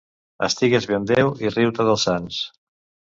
Estigues bé amb Déu i riu-te dels sants.